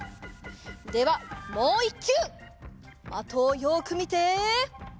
ではもういっきゅう！的をよくみて。